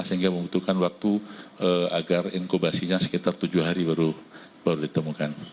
sehingga membutuhkan waktu agar inkubasinya sekitar tujuh hari baru ditemukan